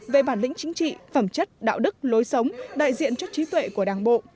về bản lĩnh chính trị phẩm chất đạo đức lối sống đại diện cho trí tuệ của đảng bộ